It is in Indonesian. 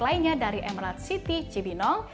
lainnya dari emerald city cibinong